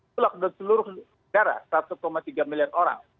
itu lockdown seluruh negara satu tiga miliar orang